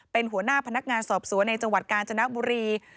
เป็นหัวหน้าพนักงานสอบสวนในจังหวัดกาญจนบุรี